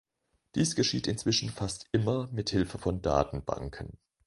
Dies geschieht inzwischen fast immer mit Hilfe von Datenbanken.